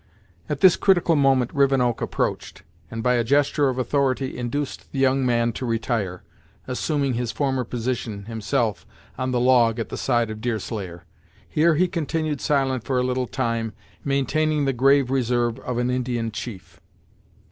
At this critical moment Rivenoak approached, and by a gesture of authority, induced the young man to retire, assuming his former position, himself, on the log at the side of Deerslayer. Here he continued silent for a little time, maintaining the grave reserve of an Indian chief.